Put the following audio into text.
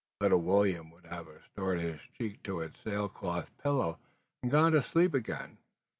Little William would have restored his cheek to its sail cloth pillow and gone to sleep again.